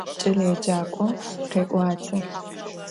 Ç'eleêcak'om khê'uate.